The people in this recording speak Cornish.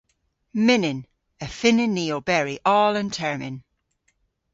Mynnyn. Y fynnyn ni oberi oll an termyn.